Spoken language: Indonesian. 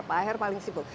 pak aher paling sibuk